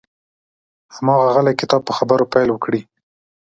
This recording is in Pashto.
هماغه غلی کتاب په خبرو پیل وکړي.